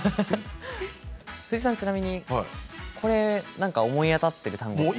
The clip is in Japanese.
藤井さんはちなみに何か思い当たっている単語は？